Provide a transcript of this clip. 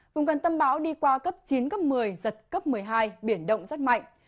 vùng gần tâm bão đi qua cấp chín cấp một mươi giật cấp một mươi hai biển động rất mạnh